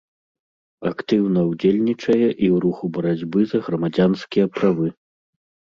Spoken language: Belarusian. Актыўна ўдзельнічае і ў руху барацьбы за грамадзянскія правы.